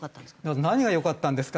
「何が良かったんですか？」